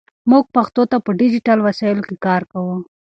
موږ پښتو ته په ډیجیټل وسایلو کې کار کوو.